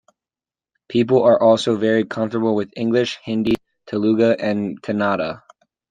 People are also very comfortable with English, Hindi, Telugu, and Kannada.